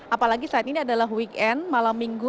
apalagi saat ini adalah weekend malam minggu